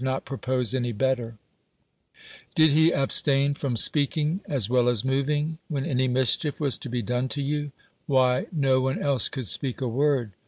— THE WORLD'S FAMOUS ORATIONS Did he abstain from speaking as well as mov ing, when any mischief was to be done to youl Why, no one else could speak a word.